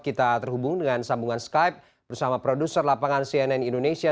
kita terhubung dengan sambungan skype bersama produser lapangan cnn indonesia